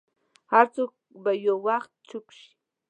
هر څوک به یو وخت چوپ شي.